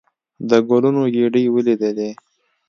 د ګلونو ګېدۍ ولېدلې.